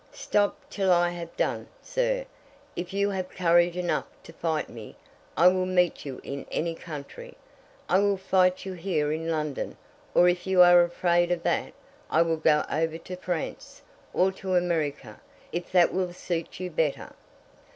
"Stop till I have done, sir. If you have courage enough to fight me, I will meet you in any country. I will fight you here in London, or, if you are afraid of that, I will go over to France, or to America, if that will suit you better."